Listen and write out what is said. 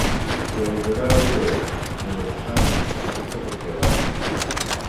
يوه بوډا وويل: ميرويس خانه! ته څه پکې وايې؟